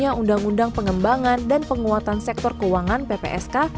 undang undang pengembangan dan penguatan sektor keuangan ppsk